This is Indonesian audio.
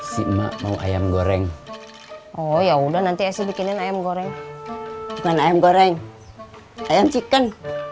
si emak mau ayam goreng oh ya udah nanti es bikinin ayam goreng ayam goreng ayam chicken